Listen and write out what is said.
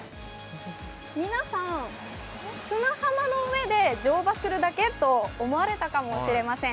皆さん、砂浜の上で乗馬するだけ？と思われたかもしれません。